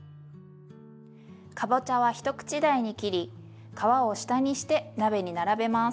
かぼちゃは一口大に切り皮を下にして鍋に並べます。